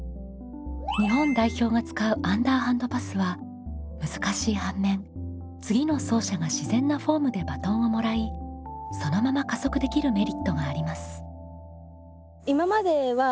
日本代表が使うアンダーハンドパスは難しい反面次の走者が自然なフォームでバトンをもらいそのまま加速できるメリットがあります。